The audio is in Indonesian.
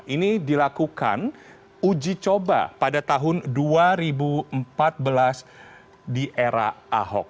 ini dilakukan uji coba pada tahun dua ribu empat belas di era ahok